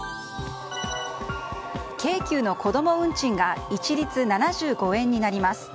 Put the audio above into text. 京急の子供運賃が一律７５円になります。